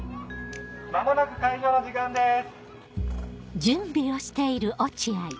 間もなく開場の時間です。